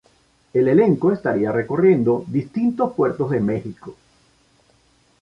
El elenco estaría recorriendo distintos puertos de Mexico.